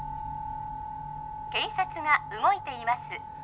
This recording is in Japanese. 警察が動いています